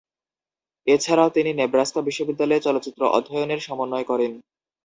এছাড়াও, তিনি নেব্রাস্কা বিশ্ববিদ্যালয়ে চলচ্চিত্র অধ্যয়নের সমন্বয় করেন।